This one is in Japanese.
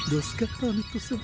ハーミットさん